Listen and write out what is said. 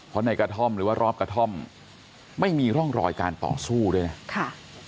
เพราะในกระท่อมหรือว่ารอบกระท่อมไม่มีร่องรอยการต่อสู้ด้วยนะค่ะ